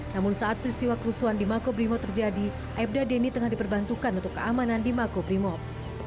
namun saat peristiwa kerusuhan di mako brimob terjadi aibda deni tengah diperbantukan untuk keamanan di mako brimob